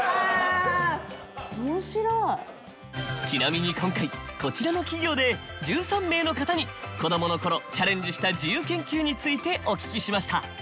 ちなみに今回こちらの企業で１３名の方に子どもの頃チャレンジした自由研究についてお聞きしました。